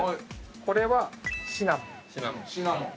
これはシナモン。